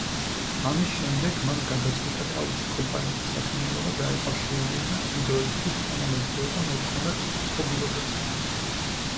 ამის შემდეგ მან გადაწყვიტა თავისი კომპანიის საქმიანობა დაეკავშირებინა იმ დროისთვის თანამედროვე და მოთხოვნად მოწყობილობებთან.